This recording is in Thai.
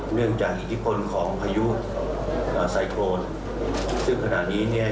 เนื่องจากอิทธิพลของพายุเอ่อไซโครนซึ่งขณะนี้เนี่ย